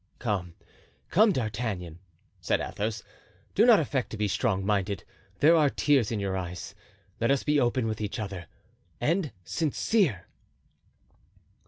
"Come, come, D'Artagnan," said Athos, "do not affect to be strong minded; there are tears in your eyes. Let us be open with each other and sincere."